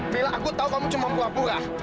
bila aku tahu kamu cuma buah buah